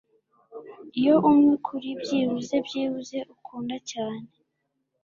Iyo umwe kuri byibuze byibuze ukunda cyane